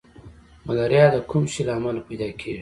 ملاریا د کوم شي له امله پیدا کیږي